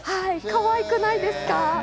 かわいくないですか？